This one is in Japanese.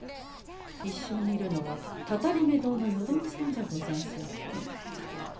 いっしょにいるのはたたりめ堂のよどみさんじゃござんせんか。